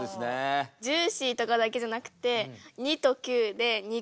ジューシーとかだけじゃなくて２と９で「肉」とか。